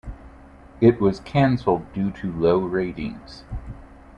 It was canceled due to low ratings.